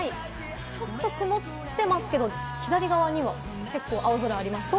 ちょっと曇っていますけど左側にも結構、青空がありますね。